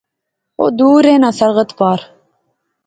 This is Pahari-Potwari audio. او دور رہنا، سرحد پار